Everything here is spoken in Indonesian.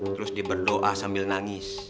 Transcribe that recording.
terus dia berdoa sambil nangis